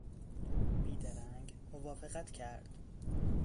بیدرنگ موافقت کرد.